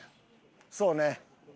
そうね。